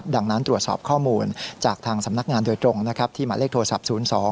ดังนั้นตรวจสอบข้อมูลจากทางสำนักงานโดยตรงนะครับที่หมายเลขโทรศัพท์๐๒